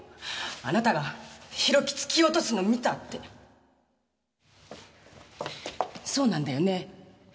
あなたが弘樹突き落とすの見たってそうなんだよね？